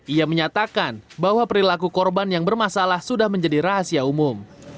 ia menyatakan bahwa perilaku korban yang bermasalah sudah menjadi rahasia umum